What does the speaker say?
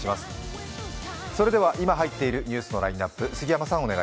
それでは今入っているニュースのラインナップですす。